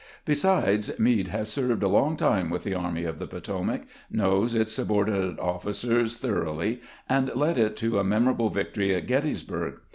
Besides, Meade has served a long time with the Army of the Potomac, knows its subordinate officers thor oughly, and led it to a memorable victory at Gettysburg.